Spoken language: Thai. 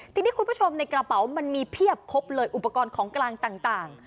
ทีนี้คุณผู้ชมในกระเป๋ามันมีเพียบครบเลยอุปกรณ์ของกลางต่าง